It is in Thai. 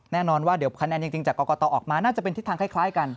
แน่นอนว่าเดี๋ยวคะแนนจริงจากกรกตออกมาน่าจะเป็นทิศทางคล้ายกัน